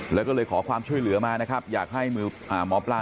แล้วก็เลยขอความช่วยเหลือมานะครับอยากให้มือหมอปลา